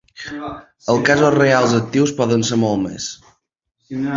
Els casos reals actius poden ser molts més.